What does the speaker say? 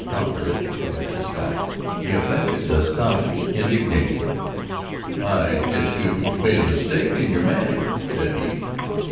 Confident of this disguise, he affected astonished indignation. "I guess you've made a mistake in your man," said he.